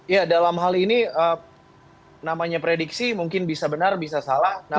ya dalam hal ini namanya prediksi mungkin bisa benar bisa salah